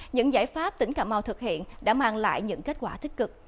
những giải pháp tỉnh cà mau thực hiện đã mang lại những kết quả tích cực